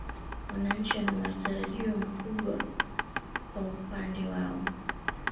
Wananchi wana matarajio makubwa kwa upande wao